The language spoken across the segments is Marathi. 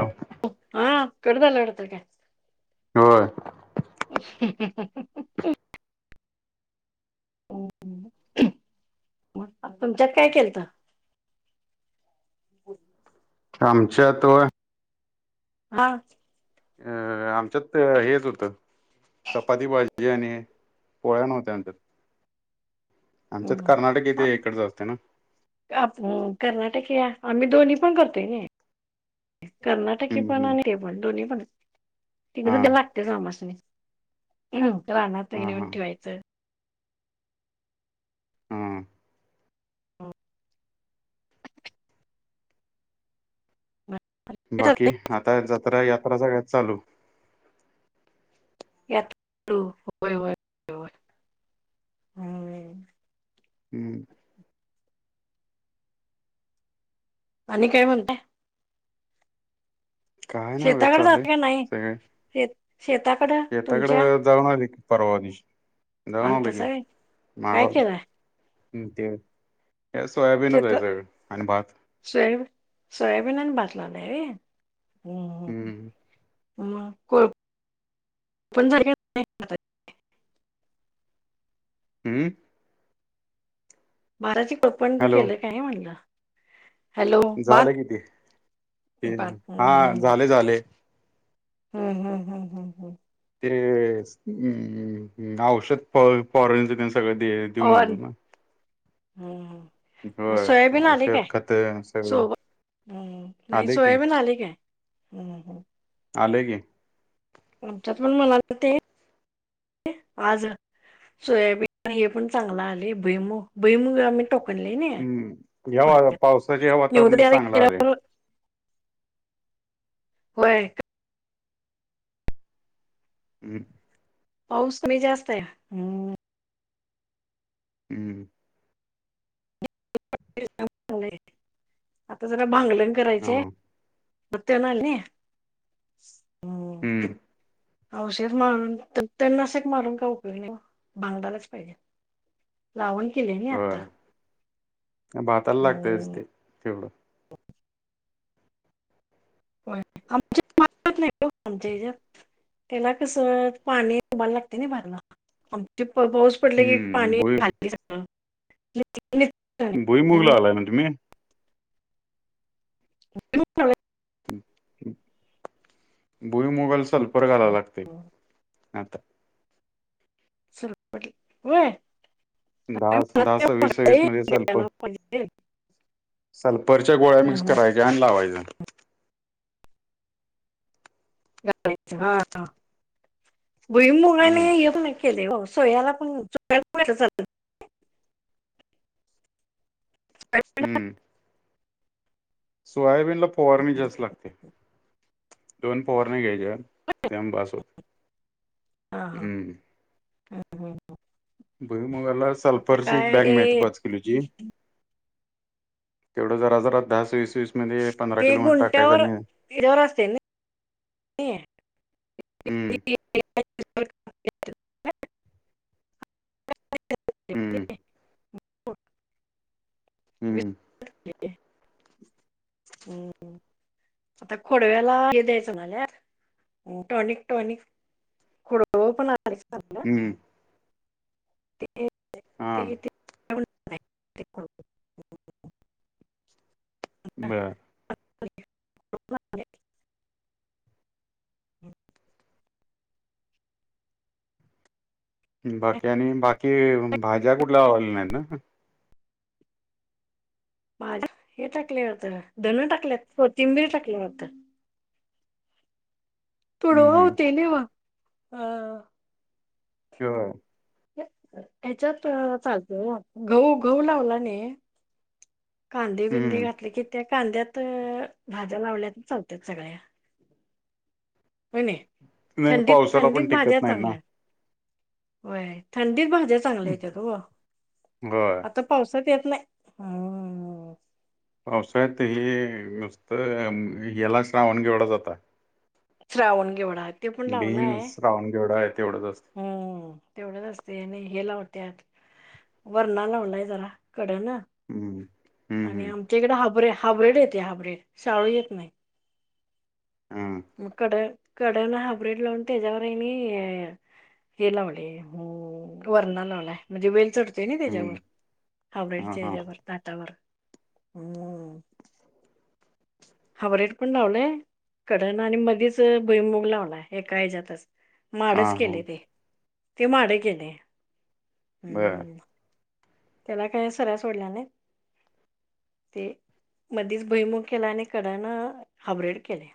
हो हा कट झाला वाटत काय. होय तुमच्यात काय केलत? [inaudible] आमच्यात होय? हा. अ आमच्यात हेच होत. चपाती भाजी आणि पोळ्या नव्हत्या आमच्यात. आमच्यात कर्नाटकी ते इकडच असते ना. अपू कर्नाटकीया? आम्ही दोन्ही पण करतोय की. कर्नाटक हम्म पण हम्म. आणि हे पण. दोन्ही पण. तिकड हा त लागतेच अमासणी. हम राहना त हा नेऊन हा ठेवायचं. हम्म. हो. बाकी? आता जत्रा यात्रा सगळ्याच चालू. यातू होय होय. होय हम्म. आणि काय म्हणताय? काय नाय बघा. शेताकडे जात चाललय का नाही त शेत शेताकडं तुमच्या शेताकडं जाऊन आलीकी परवा दिवशी. जाऊन आणि आलो की. तसं काय माग. केलंय ते काय सोयाबीनच आहे सगळ. आणि भात. सोयाबी सोयाबीन आणि भात लावलय होय? हम्म हम्म. [unintelligible] हम्म. बाराज कोपण हॅलो केलं काय म्हणलं? हॅलो झालं भात कि ते हा [unintelligible] ते झाले झाले. हम्म हम्म हम्म हम्म हम्म. ते अम औषध फ फवारेचन त्ये सगळं ते देऊन पवन आलो ना. हम्म हम्म म होय सोयाबिन आली औषध काय? खत सगळी सोब हम्म नाही आलय की सोयाबीन आली काय? हम्म हम्म. आलंय की. आमच्यात पण म्हणालतीत ते. आज सोयाबीन हे पण चांगलं आलय. भूईमू भईमुग आम्ही टोकन लय ना. हम्म या [unintelligible] पावसाच्या या वातावरणात चांगलं आलय. व्हय. हम्म. पाऊस कमी जास्तय. हम्म. हम्म. आता जरा भांगलण हा करायचय. म तेन आले. हम्म. औषध मारून. तन नाशक मारून काय उपयोग नाही ओ. बांगडालाच पाहिजे. लावण केले नि आता. होय भाताला लागतयच हम्म. ते. तेवड. होय. आमच्या [unintelligible] नाही ओ. आमच्या हेज्यात. त्याला कसं, पाणी उभयला लागते ना भरला. आमचे इथं पाऊस पडलं की, हम्म पाणी भुई [unintelligible] सगळं. [unintelligible] भुईमूग हम्म. लावलाय ना तुम्ही? [unintelligible] भुईमुगाला सल्पर घालाव लागतय, आता सल्फर, होय? काय दहा म्हणत दहा, नाही हो सवीस, मला. सवीस ए, मध्ये सल्फर द्यायला पाहिजे. सल्फरच्या गोळ्या हम्म, मिक्स हम्म. करायच्या अन् लावायच. [unintelligible] भुईमुगाला हम्म येत नाही का? केले हो. सोयाला पण. सोयालाचा [unintelligible] हम्म. सोयाबीनला फवारणी जास्त लागते. दोन फवारण्या घ्यायच्या. [unintelligible] हम्म. भुईमुगाला आता सल्फरची एक काय बॅग मिळते ते पाच किलोची. तेवढं जरा जरात दहा, सवीस, सवीस ते गुंट्यावर, याच्यावर असते ना हम्म [unintelligible] हम्म. हम्म. [unintelligible] हम्म. आता खोडव्याला हे द्यायचं झाल्या, टॉनिक टॉनिक. खुडवा पण आलंय छान. हम्म. [unintelligible] ते हा किती? तिकडू [unintelligible] बरं. [unintelligible] बाकी आणि? बाकी भाज्या कुठल्या लावल्या नाही ना? भाज्या, हे टाकले वाटतं धन टाकलेत, कोथिंबीर टाकल्या वाटतं. हम्म हम्म [unintelligible] [unintelligible] ह्याच्यात पाहिजे हो. गहू, गहू लावला नी? कांदे बिंदे हम्म घातले की, त्या कांद्यात भाज्या लावल्यात की, चालत सगळ्या. होय नी. नाही थंडीत पावसाला पण थंडीत भाज्या टिकत नाही ना चांगल्या. होय. थंडीत भाज्या चांगल्या येत्यात वो. होय आता पावसात येत नाही. हम्म. पावसाळ्यात हे नूस्त येला श्रावण घेवढाच होता. श्रावण घेवढा. ते पण बीन लावलाय. श्रावण घेवडा आहे तेवढंच असतं हम्म. तेवढेच असते आणि हे लावत्या, वरणा लावलाय जरा कडन. हम्म, हम्म, आणि हम्म, आमच्या इकडे हाब्रे हाब्रेड येते हाब्रेड, चवळी येत नाही. ह. मग कड कडन हायब्रीड लावून, त्याच्यावर नि हे लावलंय, वरना लावलाय म्हणजे वेल चढतोय ना त्याच्यावर हम्म, हां, हायब्रीडच्या हां, हयाच्यावर. ताटावर हो. हाबरेट पण लावलंय कडेन आणि मधीच भुईमुूग लावला हे एका हयाच्यातच माडच हां, हां, केले ते, ते माडे केले. बरं हम्म त्याला काही सऱ्या सोडल्या नाही ते मधीच भुईमूग केला आणि कडन हबरेड केलाय.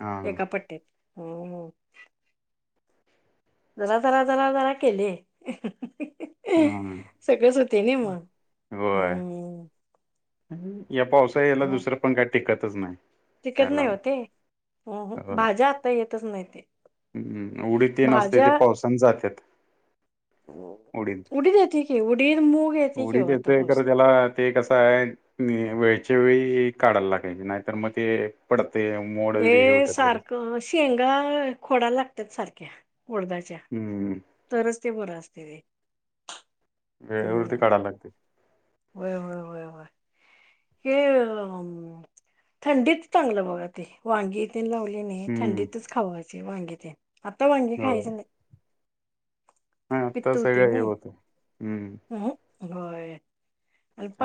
हां, एका पट्ट्यात हो हो जरा जरा जरा जरा केले. हां, सगळेच होते नी मग. होय. या पावसाला याला दुसरं पण काय टिकतच नाही. टिकत ह्याला. नाहीओ ते, हू हू होय. भाज्या आता येतच नाही ते हम्म उडीद ते नसते भाज्या ते पावसाने जातात. उडीद येते की उडीद मूग येते की ओ उडीद आता येतंय खर पावसात. त्याला ते कस आहे मी वेळच्या वेळी काढायला लागायचे नाही तर मग ते पडतेय मोड वगैरे हे ते होतय लगेच सारखं शेंगा खोडा लागतात सारख्या उडदाच्या. हम्म ह्म्म. तरच ते बरं असते एक वेळेवरती काढायला लागते. होय हो हे थंडीत चांगलं बघा ते वांगी इथ लावली नाही, हम्म, थंडीतच खावायची वांगे ते आता वांगी होय. खायची नाहीत. हां, आता पित्त होती सगळं हे गय होतंय. हम्म, हम होय [unintelligible]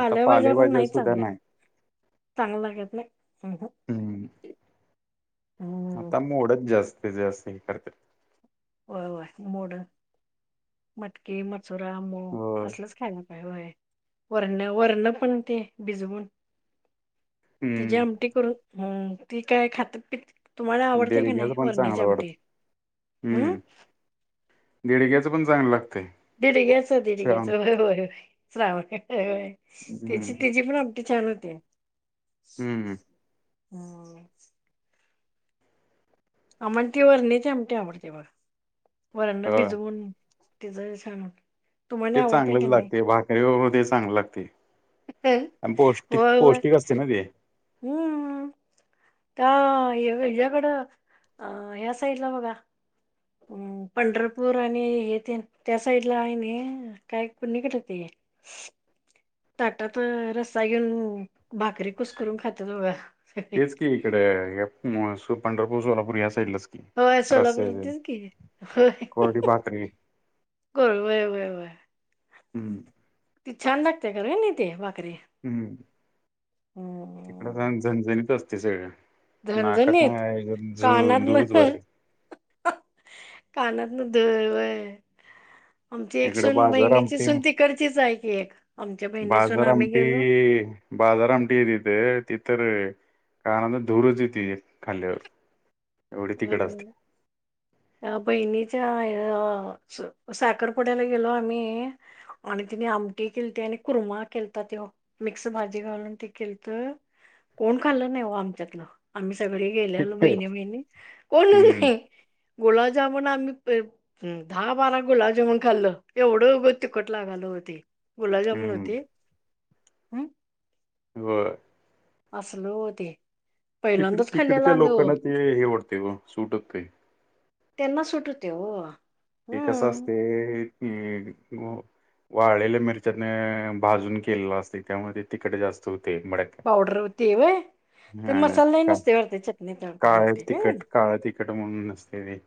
आता पण नाही सुद्धा चांगल्या, नाही. चांगल्या लागत नाही हू हू. हम्म. हम्म आता मोडच जास्तीत जास्त हे करते. होय होय मोड मटकी, मसुरा, हो मुग असलच खायला पाहिजे व्हय. वरण वरण पण ते भिजवून त्याची हम्म आमटी करून ह्म्म ती काय खातत पितत, तुम्हाला आवडते की देडग्याच नाही पण वरण्याची चांगलं वाटत आमटी हम्म दिडग्याचं पण चांगलं लागतंय दिडघ्याच दिडघ्याचं होय होय श्रावण व्हय. तिची हम्म तिची पण आमटी छान होतेय. हूम्म हूम्म. [unintelligible] हम [unintelligible] आम्हा ती वरण्याची आमटी आवडते बघा. वरंना हो भिजवून तिचं सांग ते चांगलंच लागते भाकरी बरोबर ते चांगलं लागते. हं? आणि पौष्टिक, होय होय पौष्टिक असते ना ते हम्म त्या ह्याकडं अ ह्या साईडला बघा ह्म्म पंढरपूर आणि हे त्या साईडला आहे ना काय कोणीकडे ते ह [unintelligible] ताटात रस्सा घेऊन भाकरी कुसकरून खात्यात बघा. सगळी. तेसकी इकडे ये पणपो पंढरपूर सोलापूर या साईडलाच की होय सोलापूर रस्स्याची म्हणतेच की होय, कोरडी भाकरी व्हय व्हय व्हय. हम ती छान लागतेय करय नाही ते भाकरी हम्म इकड हम्म झणझणीत असते सगळं नाकात झणझणीत नाही झू दूरच वर कानात न धुर वय मग ती एक इकडं सून बाजार बहिणीची आमटी सून तीकडचीच आहे की एक आमच्या बहिणीसून बाजार आम्ही गेलो आमटी बाजार आमटी की इथ ति तर कानांतन धूरच येते खाल्यावर हम्म अ बहिणीच्या साखरपुड्याला गेलो आम्ही आणि तिने आमटी केलते आणि कुरमा केलता तेव मिक्स भाजी घालून ते केल तर कोण खाल्लं नाही व आमच्यातलं आम्ही सगळे गेलेलो बहिणी, बहिणी कोणच हम्म नाही गुलाबजामुन आम्ही [unintelligible] हम दहा, बारा गुलाबजामुन खाल्ल एवढंं तिखट‌ लागत होती गुलाबजामन हम्म होती वय असल होत तिकड पहिल्यांदाच खाल्लेलो तिकडच्या आम्ही ओ लोकांना ते हे होतय मग सूट होत नाही त्यांना सुट होतय ओ ते कसं असतय की वाळलेल्या मिरच्याने भाजून केलेला असते त्यामुळे तिकट जास्त होतय मड पावडर ते वय ते मसाले नुसते वरते चटनी तडत काळ हाय नई तिखट काळ तिखट म्हणून असते ते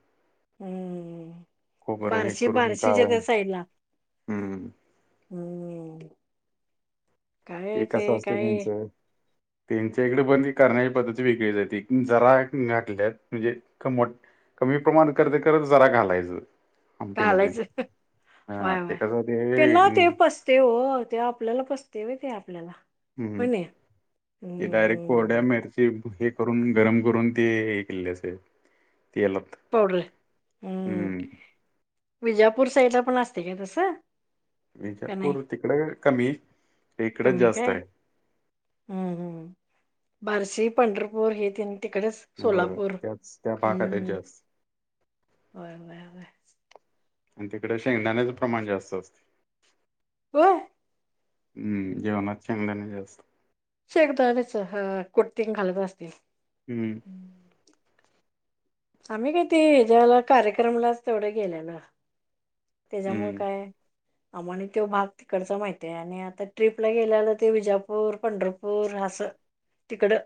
[unintelligible] खोबरं हे बार्शी, करून काळ बार्शीच्याग साइडला हम्म एका ते संस्थेनींच काय त्यांच्या इकडे पण ती करण्याची पद्धती वेगळी जाते जरा घातल्यात म्हणजे मो कमी प्रमाण करते करत जरा घालायचं आमटीमधये घालायचं हा व्हय ते व्हय कसं त्यांना होते ते ओ ते आपल्याला पचताय ओ ते आपल्याला हम्म होय नाही ते डायरेक्ट कोड्या हम्म मिर हे करून गरम करून ते हे केले असे तेलात पावडर हम हम्म विजापूर साईडला पण असते का तस विजापूर तिकड कमी इकड कमी जास्त काय आहे हम्म बार्शी, पंढरपूर हे तेन तिकडच हो सोलापूर त्याच त्या भागात आहे हम्म जास्त [unintelligible] आणि तिकड शेंगदाण्याचं प्रमाण जास्त असतं व्हय हम् जेवणात शेंगदाणे जास्त शेंगदाणच हा कुटतींग घालत असतील हम्म आम्ही काय ते हेज्यावेळेला कार्यक्रमलाच तेवढे गेलेल त्याच्यामुळे हम्म काय आम्हानी त्यो भात तिकडचा माहती आहे आणि आता ट्ररीपला गेल्या होता ते विजापूर, पंढरपूर असं तिकडं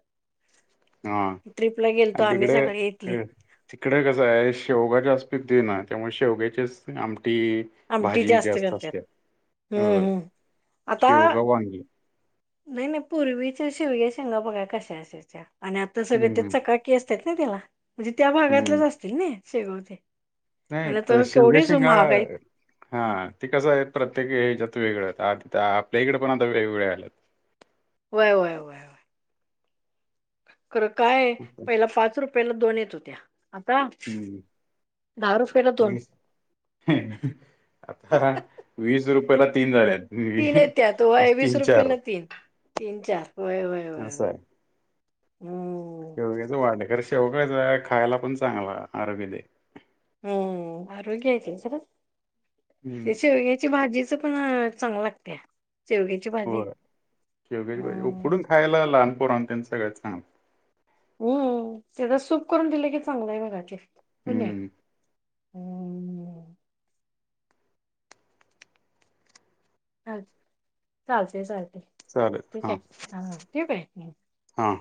हा ट्रिपला गेलतो आणि आम्ही तिकडे सकाळी येेतली. क तिकडे कसं आहे शेवगा जास्त येते ना त्यामुळे शेवग्याचीस आमटी आमटी भाजी जास्त करतात असत्या हम्म ओय हम्म आता शेवगा, वांगी. नाही नाही पूर्वीच्या शिवग्या, शेंगा बघा कश्या असायच्या आणि आता सगळं ते हम्म चकाट के असत्यात ना त्याला म्हणजे त्या भागातलेच हम्म असतील ना शेगव चे. नाही म्हणलं तर त्यो शेवग्या केवढेच शेंगा महाग आहे. हा ते कसं आहे प्रत्येक हेच्यात वेगळं आता आपल्या इकडे पण आता वेगवेगळे आल्यात. व्हय व्हय व्हय. खरं काय पहिला पाच रुपयाला दोन येत होत्या आता हम्म दहा रुपयाला दोन वीस आता वीस रुपयाला तीन झालेत. तीन येत्यात व्हय वीस रुपयेला तीन तीन चार व्हय व्हय व्हय असं व्हय. मो रोग्याचा वाढ आहे खरं शेवगाचा खायला पण चांगला आरोग्य दे. हम्म आरोग्य हे की [unintelligible] हम्म हे शेवग्याच चे भाजीचा पण अ चांगलं लागतीया शेवग्या हो शेवग्याची भाजी उकडून खायला लहान पोरांना तेन सगळ्यात चांगलं. उम्म तेजा सूप करून दिलं की चांगलं आहे बघा की होय ने. हम्म अ चालतेय चालतय चालेल ठीक हां आहे हा हा ठेवू काय हम्म. हां.